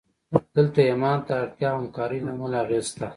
دلته ایمان ته د اړتیا او همکارۍ له امله اغېز شته